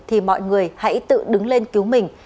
thì mọi người hãy tự đứng lên cứu mình